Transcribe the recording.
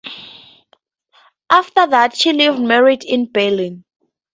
After that she lived married in Berlin.